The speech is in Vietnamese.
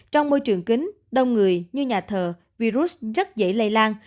trong môi trường kính đông người như nhà thờ virus rất dễ lây lan